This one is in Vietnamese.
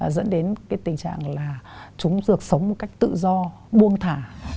dẫn đến tình trạng là chúng được sống một cách tự do buông thả